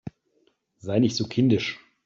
Sei nicht so kindisch!